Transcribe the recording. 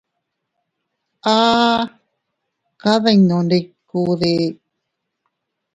¿A kadinnuudee?.